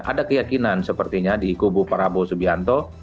ada keyakinan sepertinya di kubu prabowo subianto